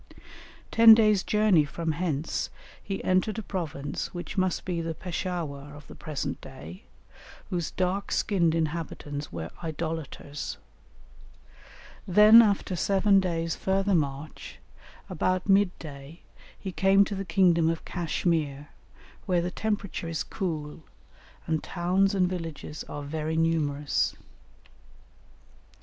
Ten days' journey from hence he entered a province which must be the Peshawur of the present day, whose dark skinned inhabitants were idolaters; then after seven days' further march, about mid day he came to the kingdom of Cashmere, where the temperature is cool, and towns and villages are very numerous.